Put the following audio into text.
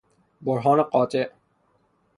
برهان قاطع